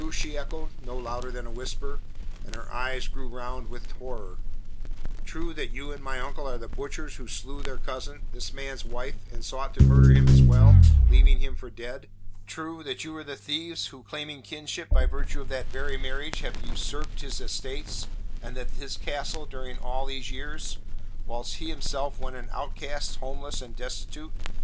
she echoed, no louder than a whisper, and her eyes grew round with horror. "True that you and my uncle are the butchers who slew their cousin, this man's wife, and sought to murder him as well leaving him for dead? True that you are the thieves who claiming kinship by virtue of that very marriage have usurped his estates and this his castle during all these years, whilst he himself went an outcast, homeless and destitute?